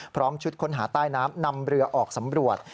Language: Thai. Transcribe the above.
ชุดค้นหาใต้น้ำนำเรือออกสำรวจ